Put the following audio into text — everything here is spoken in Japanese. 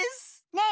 ねえ